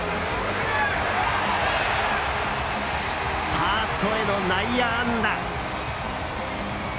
ファーストへの内野安打。